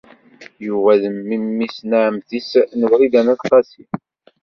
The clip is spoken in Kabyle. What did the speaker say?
Yuba d memmi-s n ɛemmti-s n Wrida n At Qasi Muḥ.